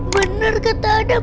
benar kata adam